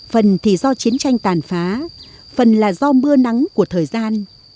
phần thì do chiến tranh tàn phá phần là do mưa nắng của thời gian